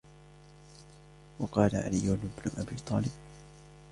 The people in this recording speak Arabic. وَقَالَ عَلِيُّ بْنُ أَبِي طَالِبٍ